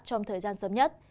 trong thời gian sớm nhất